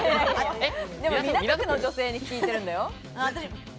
でも港区の女性に聞いてるんだよ。